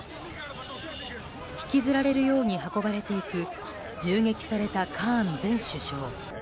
引きずられるように運ばれていく銃撃されたカーン前首相。